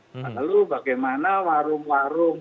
lalu bagaimana warung warung